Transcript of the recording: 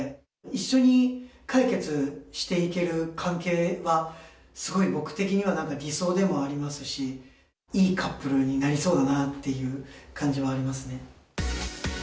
一緒に解決していける関係は、すごい僕的にはなんか、理想でもありますし、いいカップルになりそうだなっていう感じはありますね。